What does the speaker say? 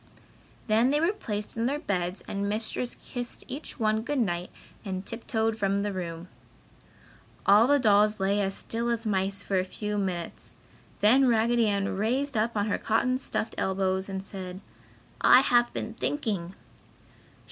Then they were placed in their beds and Mistress kissed each one good night and tiptoed from the room. All the dolls lay as still as mice for a few minutes, then Raggedy Ann raised up on her cotton stuffed elbows and said: "I have been thinking!"